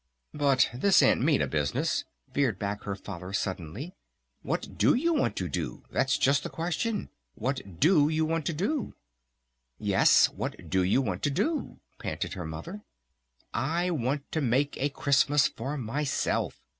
"But this Aunt Minna business," veered back her Father suddenly. "What do you want to do? That's just the question. What do you want to do?" "Yes, what do you want to do?" panted her Mother. "I want to make a Christmas for myself!"